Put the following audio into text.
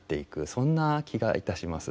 そんな気がいたします。